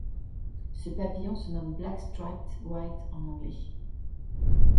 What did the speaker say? Ce papillon se nomme Black-striped White en anglais.